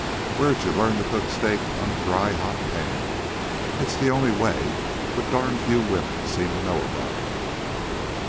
"Where'd you learn to cook steak on a dry, hot pan? It's the only way, but darn few women seem to know about it."